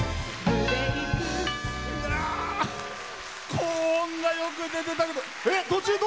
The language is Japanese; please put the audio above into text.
高音がよく出てたけど。